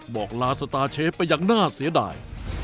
บอกลาสตาร์เชฟไปอย่างน่าเสียดาย